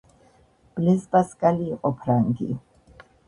ბლეზ პასკალი იყო ფრანგი